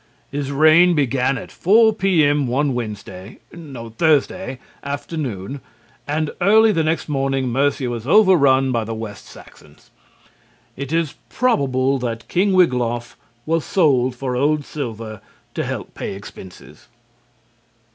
His reign began at 4 P.M. one Wednesday (no, Thursday) afternoon and early the next morning Mercia was overrun by the West Saxons. It is probable that King Wiglaf was sold for old silver to help pay expenses.